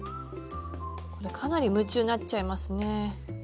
これかなり夢中になっちゃいますね。